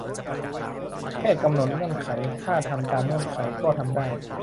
แค่กำหนดเงื่อนไข ถ้าทำตามเงื่อนไขก็ทำได้